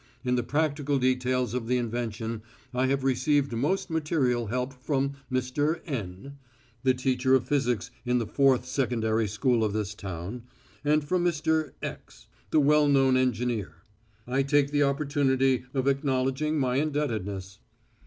In the practical details of the invention I have received most material help from Mr. N , the teacher of physics in the Fourth Secondary School of this town, and from Mr. X , the well known engineer. I take the opportunity of acknowledging my indebtedness."